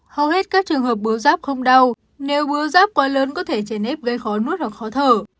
hầu hết các trường hợp bướu giáp không đau nếu bướu giáp quá lớn có thể chảy nét gây khó nuốt hoặc khó thở